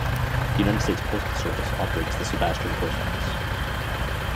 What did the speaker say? The United States Postal Service operates the Sebastian Post Office.